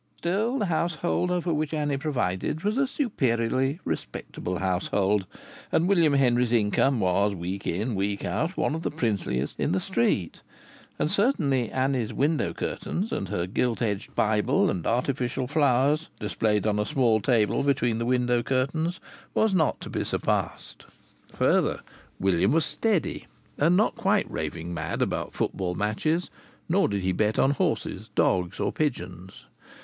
Still, the household over which Annie presided was a superiorly respectable household and William Henry's income was, week in, week out, one of the princeliest in the street; and certainly Annie's window curtains, and her gilt edged Bible and artificial flowers displayed on a small table between the window curtains was not to be surpassed. Further, William was "steady," and not quite raving mad about football matches; nor did he bet on horses, dogs or pigeons.